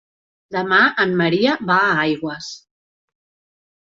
Demà en Maria va a Aigües.